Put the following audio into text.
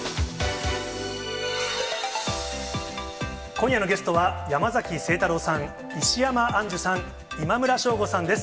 今夜のゲストは山崎晴太郎さん、石山アンジュさん、今村翔吾さんです。